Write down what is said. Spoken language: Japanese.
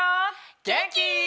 げんき？